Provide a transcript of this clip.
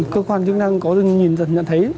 cơ quan chức năng có nhìn nhận thấy